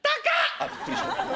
「あびっくりした。